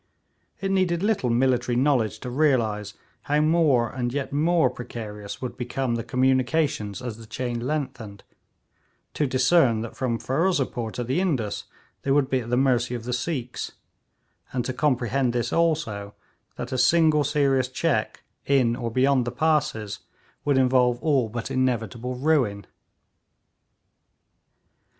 It needed little military knowledge to realise how more and yet more precarious would become the communications as the chain lengthened, to discern that from Ferozepore to the Indus they would be at the mercy of the Sikhs, and to comprehend this also, that a single serious check, in or beyond the passes, would involve all but inevitable ruin.